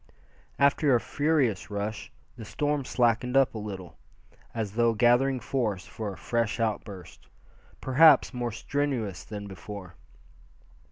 After a furious rush, the storm slackened up a little, as though gathering force for a fresh outburst, perhaps more strenuous than before.